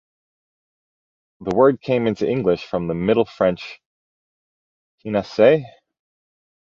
The word came into English from the Middle French "pinasse".